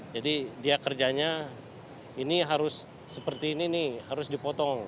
jadi dia kerjanya ini harus seperti ini nih harus dipotong